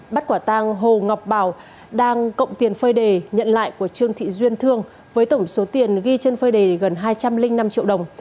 bắt quả tang hồ ngọc bảo đang cộng tiền phơi đề nhận lại của trương thị duyên thương với tổng số tiền ghi trên phơi đề gần hai trăm linh năm triệu đồng